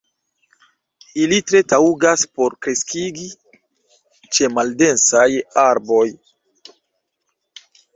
Ili tre taŭgas por kreskigi ĉe maldensaj arboj.